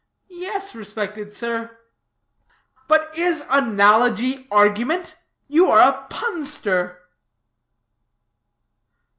"Yes, respected sir." "But is analogy argument? You are a punster."